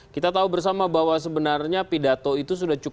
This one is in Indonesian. kita tahu bersama bahwa sebenarnya pidato itu